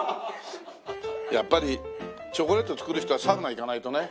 やっぱりチョコレート作る人はサウナ行かないとね。